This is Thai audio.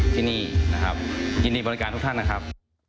ที่นี่นะครับยินดีบริการทุกท่านนะครับ